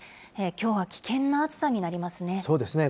きょうは危険な暑さになりますね。